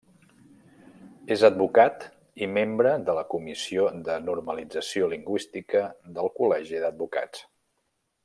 És advocat i membre de la Comissió de Normalització Lingüística del Col·legi d’Advocats.